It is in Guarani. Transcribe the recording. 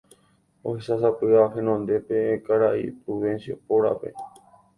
ohechásapy'a henondépe karai Prudencio pórape